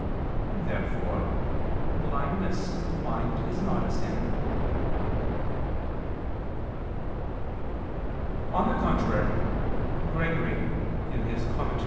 Therefore blindness of mind is not a sin. On the contrary, Gregory (Moral.